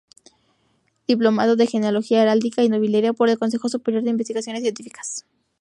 Diplomado en Genealogía, Heráldica y Nobiliaria por el Consejo Superior de Investigaciones Científicas.